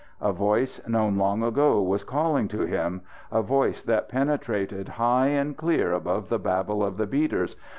A voice known long ago was calling to him a voice that penetrated high and clear above the babble of the beaters.